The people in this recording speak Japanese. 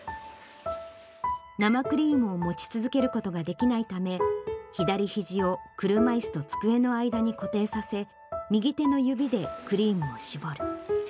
生クリームを持ち続けることができないため、左ひじを車いすと机の間に固定させ、右手の指でクリームを絞る。